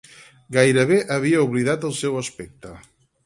Gairebé havia oblidat el seu aspecte.